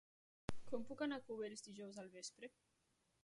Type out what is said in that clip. Com puc anar a Cubells dijous al vespre?